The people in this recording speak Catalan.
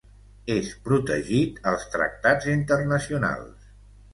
És protegit als tractats internacionals.